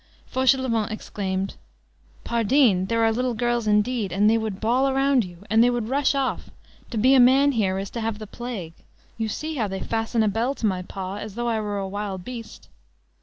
Fauchelevent exclaimed:— "Pardine! There are little girls indeed! And they would bawl around you! And they would rush off! To be a man here is to have the plague. You see how they fasten a bell to my paw as though I were a wild beast."